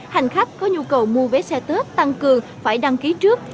hành khách có nhu cầu mua vé xe tết tăng cường phải đăng ký trước